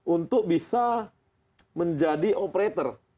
untuk bisa menjadi operator